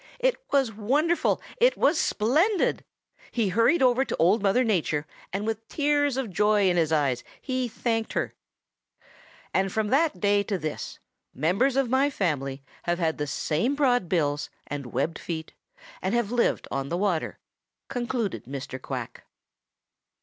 It was wonderful! It was splendid! He hurried over to Old Mother Nature, and with tears of joy in his eyes he thanked her. And from that day to this members of my family have had the same broad bills and webbed feet, and have lived on the water," concluded Mr. Quack.